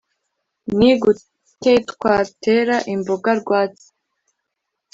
ni gutetwatera imboga rwatsi.